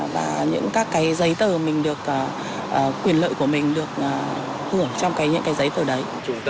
và những các cái giấy tờ mình được quyền lợi của mình được hưởng trong những cái giấy tờ đấy